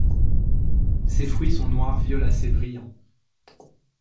Ces fruits sont noir violacé brillants.